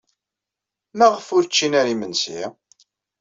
Maɣef ur ččin ara imensi?